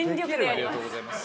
ありがとうございます。